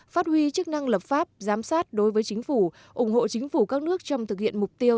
phát huy chức năng lập pháp giám sát đối với chính phủ ủng hộ chính phủ các nước trong thực hiện mục tiêu